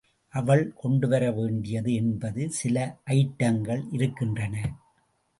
அவள் கொண்டுவரவேண்டியது என்பது சில அயிட்டங்கள் இருக்கின்றன.